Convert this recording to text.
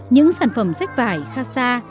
những sản phẩm sách vải khasa